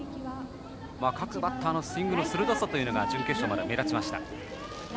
各バッターのスイングの鋭さが準決勝まで目立ちました。